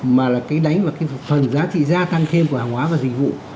mà là cái đánh vào cái phần giá trị gia tăng thêm của hàng hóa và dịch vụ